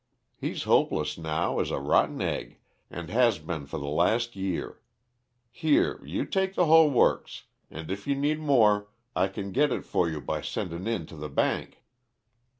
He's hopeless now as a rotten egg, and has been for the last year. Here; you take the hull works, and if you need more, I can easy git it for you by sendin' in to the bank."